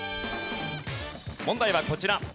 問題はこちら。